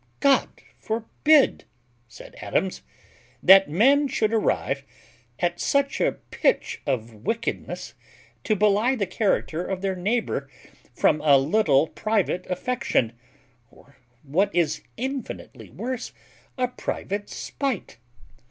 "God forbid!" said Adams, "that men should arrive at such a pitch of wickedness to belye the character of their neighbour from a little private affection, or, what is infinitely worse, a private spite.